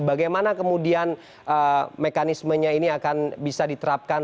bagaimana kemudian mekanismenya ini akan bisa diterapkan